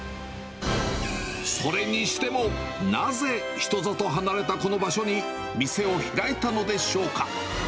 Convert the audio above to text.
それにしても、なぜ人里離れたこの場所に店を開いたのでしょうか。